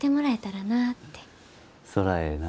そらええな。